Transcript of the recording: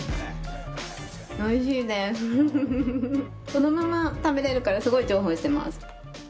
このまま食べられるからすごい重宝してます。